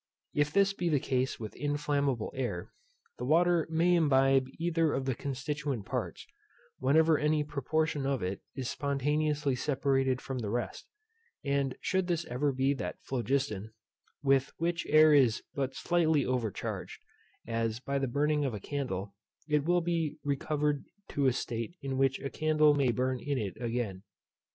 If this be the case with inflammable air, the water may imbibe either of the constituent parts, whenever any proportion of it is spontaneously separated from the rest; and should this ever be that phlogiston, with which air is but slightly overcharged, as by the burning of a candle, it will be recovered to a state in which a candle may burn in it again.